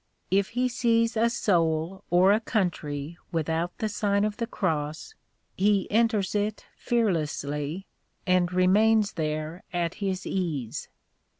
If he sees a soul or a country without the Sign of the Cross, he enters it fearlessly, and remains there at his ease.